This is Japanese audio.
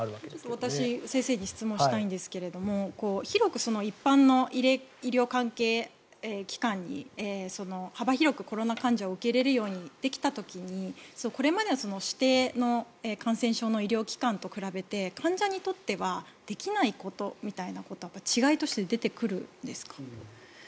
私先生に質問したいんですが広く一般の医療機関に幅広くコロナ患者を受け入れることができた時にこれまでは指定の感染症の医療機関と比べて患者にとってはできないことみたいなことは違いとして出てくるんですか？